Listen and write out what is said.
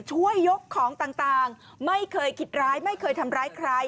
ช่วยยกของต่างไม่เคยคิดร้ายไม่เคยทำร้ายใคร